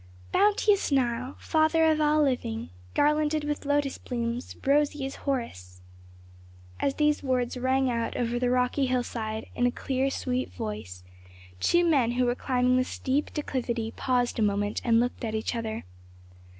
"Bounteous Nile! Father of all living! Garlanded with lotus blooms, rosy as Horus!" As these words rang out over the rocky hillside in a clear sweet voice, two men who were climbing the steep declivity paused a moment and looked at each other.